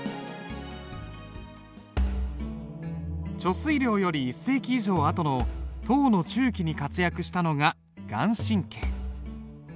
遂良より１世紀以上あとの唐の中期に活躍したのが顔真。